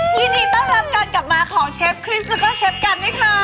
ยินดีต้อนรับกันกลับมาของเชฟคริสต์และเชฟกันดีกว่า